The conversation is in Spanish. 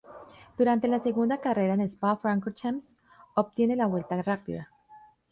Durante la segunda carrera en Spa-Francorchamps obtiene la vuelta rápida.